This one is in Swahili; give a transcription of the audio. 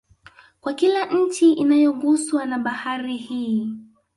Kwa kila nchi inayoguswa na Bahari hii